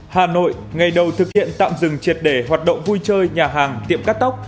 hà nội ngày đầu thực hiện tạm dừng triệt để hoạt động vui chơi nhà hàng tiệm cắt tóc